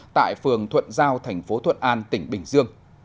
tại phường thuận giao tp thuận an tỉnh bình dương